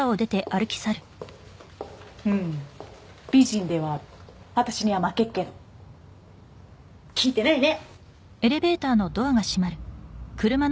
うん美人ではある私には負けっけど聞いてないね！